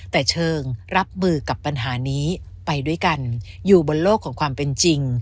แต่เชิงรับมือกับปัญหานี้ไปด้วยกันอยู่บนโลกของความเป็นจริง